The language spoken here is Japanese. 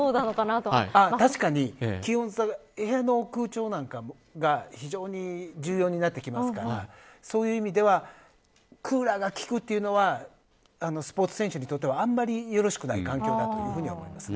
確かに、部屋の空調なんかが非常に重要になってきますからそういう意味ではクーラーが効くというのはスポーツ選手にとってはあまりよろしくない環境だと思います。